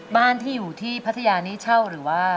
บ้านที่อยู่ที่พัทยานี้เช่าหรือว่า